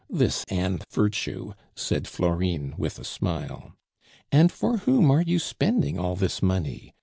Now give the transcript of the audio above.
This and virtue!" said Florine with a smile. "And for whom are you spending all this money?"